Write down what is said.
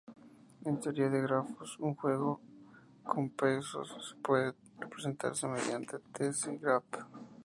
En teoría de grafos, un juego con pesos puede representarse mediante un threshold graph.